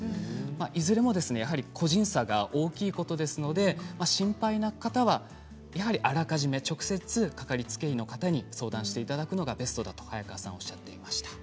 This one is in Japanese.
いずれも個人差が大きいことですので心配な方はあらかじめ直接掛かりつけ医の方に相談していただくのがベストだと早川さんはおっしゃっていました。